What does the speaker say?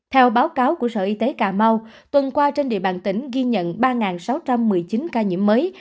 theo báo cáo của sở y tế cà mau tuần qua trên địa bàn tỉnh ghi nhận ba sáu trăm một mươi chín ca nhiễm mới